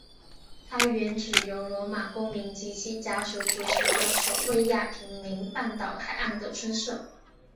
它原指由罗马公民及其家属组成的守卫亚平宁半岛海岸的村社。